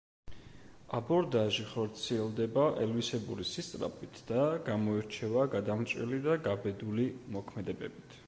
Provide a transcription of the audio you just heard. აბორდაჟი ხორციელდება ელვისებური სისწრაფით და გამოირჩევა გადამჭრელი და გაბედული მოქმედებებით.